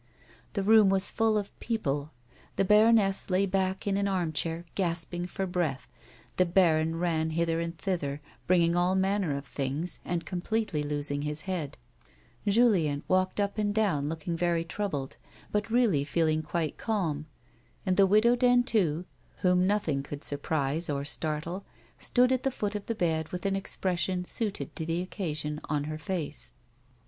The room was full of people. The baroness lay back in an armchair gasping for breath ; the baron ran hither and thither, bringing all manner of things and completely losing his head ; Julien walked up and down looking very troubled but really feeling quite calm, and the Widow Dentu, whom nothing could surprise or startle, stood at the foot of the bed with an expression suited to the occasion on her face.